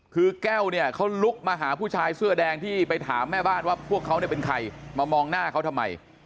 คือแก้วเนี่ยเขาลุกมาหาผู้ชายเสื้อแดงที่ไปถามแม่บ้านว่าพวกเขาเนี่ยเป็นใครมามองหน้าเขาทำไม